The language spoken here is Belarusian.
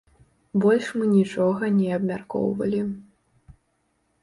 Больш мы нічога не абмяркоўвалі.